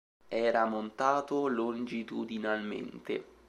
Era montato longitudinalmente.